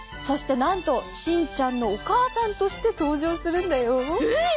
そしてなんとしんちゃんのお母さんとして登場するんだよ。